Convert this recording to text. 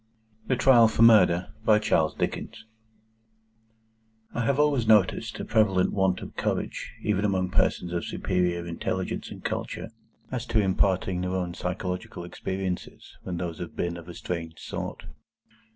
THE TRIAL FOR MURDER. I HAVE always noticed a prevalent want of courage, even among persons of superior intelligence and culture, as to imparting their own psychological experiences when those have been of a strange sort.